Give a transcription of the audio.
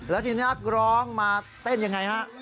แล้วทีนี้นักร้องมาเต้นยังไงฮะ